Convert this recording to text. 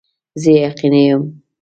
زه یقیني یم